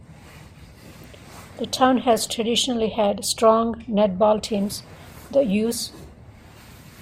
The town has traditionally had strong Netball teams - The Ewes.